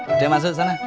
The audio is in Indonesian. udah masuk sana